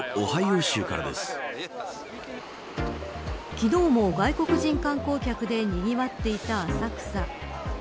昨日も外国人観光客でにぎわっていた浅草。